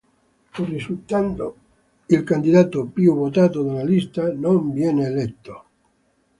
Pur risultando il candidato più votato della lista, non viene eletto.